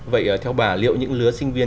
vậy theo bà liệu những lứa sinh viên